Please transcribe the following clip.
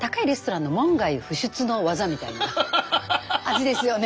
味ですよね。